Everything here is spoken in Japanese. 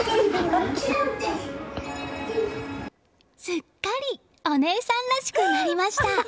すっかりお姉さんらしくなりました。